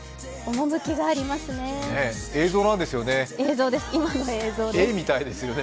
趣がありますね。